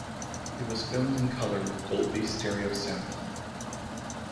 It was filmed in color with Dolby Stereo sound.